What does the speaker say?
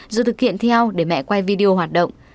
rồi thực hiện theo để mẹ quay video hoạt động